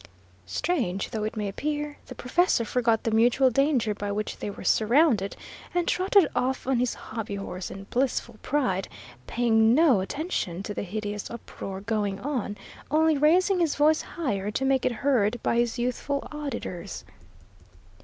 Strange though it may appear, the professor forgot the mutual danger by which they were surrounded, and trotted off on his hobby horse in blissful pride, paying no attention to the hideous uproar going on, only raising his voice higher to make it heard by his youthful auditors.